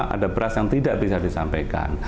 ada beras yang tidak bisa disampaikan